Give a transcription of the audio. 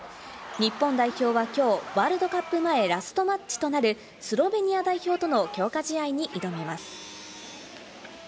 日本代表はきょう、ワールドカップ前ラストマッチとなるスロベニア代表との強化試合に挑みます。